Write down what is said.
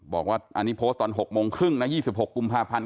บอกว่าอันนี้โพสต์ตอน๖โมงครึ่งนะ๒๖กุมภาพันธ์